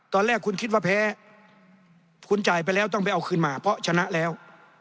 ตอนแรกคุณคิดว่าแพ้คุณจ่ายไปแล้วต้องไปเอาคืนมาเพราะชนะแล้ว